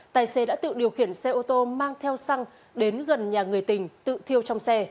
tài xế đã tự điều khiển xe ô tô mang theo xăng đến gần nhà người tình tự thiêu trong xe